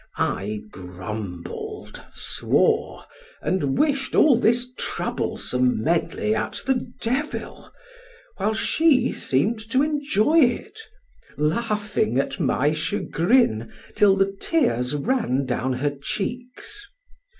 I grumbled, swore, and wished all this troublesome medley at the devil, while she seemed to enjoy it, laughing at my chagrin till the tears ran down her cheeks.